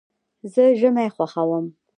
زه ژمی خوښوم.